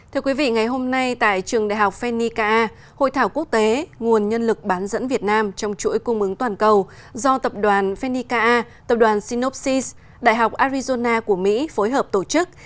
thưa quý vị ngày hôm nay tại trường đại học phenica a hội thảo quốc tế nguồn nhân lực bán dẫn việt nam trong chuỗi cung ứng toàn cầu do tập đoàn phenica a tập đoàn synopsis đại học arizona của mỹ phối hợp tổ chức